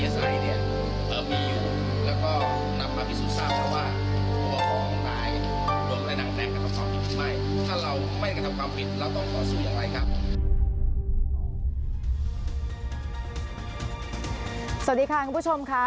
สวัสดีค่ะคุณผู้ชมค่ะ